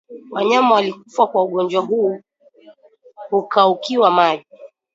Wanyama walikufa kwa ugonjwa huu hukaukiwa maji